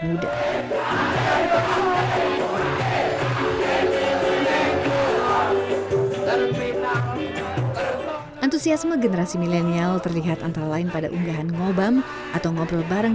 muda antusiasme generasi milenial terlihat antara lain pada unggahan ngobam atau ngobrol bareng